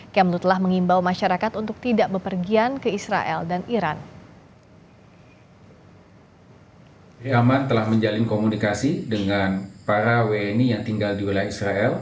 kbri aman telah menjalin komunikasi dengan para wni yang tinggal di wilayah israel